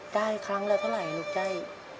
ได้ครั้งแล้วเท่าไหร่ลูกใจ